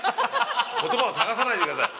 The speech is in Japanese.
言葉を探さないでください！